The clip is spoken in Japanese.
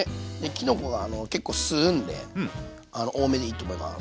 きのこが結構吸うんで多めでいいと思います。